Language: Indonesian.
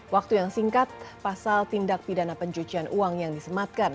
waktu yang singkat pasal tindak pidana pencucian uang yang disematkan